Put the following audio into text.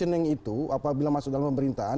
seorang yang itu apabila masuk dalam pemerintahan